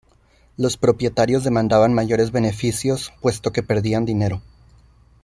Los propietarios demandaban mayores beneficios, puesto que perdían dinero.